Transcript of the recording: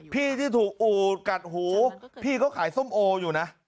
พี่ที่ถูกอูดกัดหูพี่เขาขายส้มโออยู่นะ